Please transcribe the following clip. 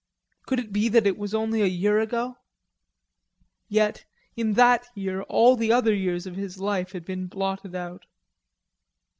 Could it be that it was only a year ago? Yet in that year all the other years of his life had been blotted out.